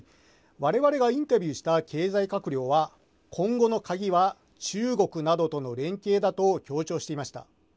我々がインタビューした経済閣僚は今後の鍵は中国などとの連携だと強調していました。